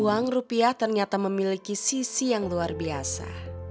uang rupiah ternyata memiliki sisi yang luar biasa